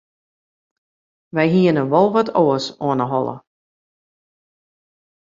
Wy hiene wol wat oars oan 'e holle.